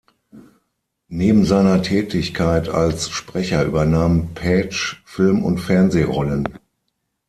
Neben seiner Tätigkeit als Sprecher übernahm Paetsch Film- und Fernsehrollen.